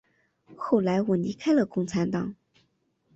后来我离开了共产党。